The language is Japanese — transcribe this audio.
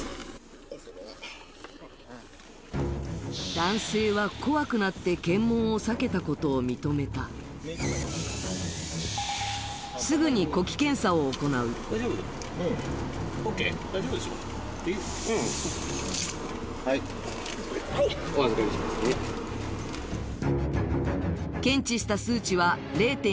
男性は怖くなって検問を避けたことを認めたすぐに呼気検査を行う検知した数値は０．１２ｍｇ